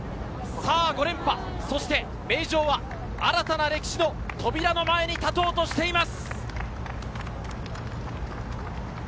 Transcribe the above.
５連覇、そして名城は新たな歴史の扉の前に立とうとしています。